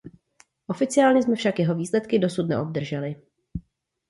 Oficiálně jsme však jeho výsledky dosud neobdrželi.